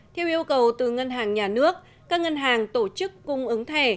theo yêu cầu từ ngân hàng nhà nước các ngân hàng tổ chức cung ứng thẻ